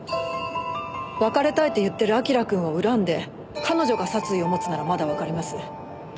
別れたいと言ってる明君を恨んで彼女が殺意を持つならまだわかります。